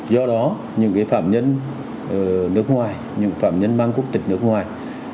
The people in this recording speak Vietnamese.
do đó những phạm nhân nước ngoài những phạm nhân mang quốc tịch nước ngoài